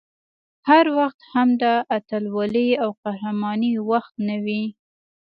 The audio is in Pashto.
هر وخت هم د اتلولۍ او قهرمانۍ وخت نه وي